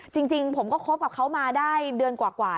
จริงผมก็คบกับเขามาได้เดือนกว่า